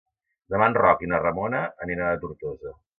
Demà en Roc i na Ramona aniran a Tortosa.